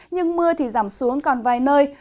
nhưng mưa thì giảm xuống còn vài nơi